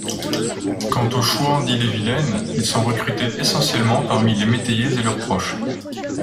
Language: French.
Quant aux chouans d'Ille-et-Vilaine, ils sont recrutés essentiellement parmi les métayers et leurs proches.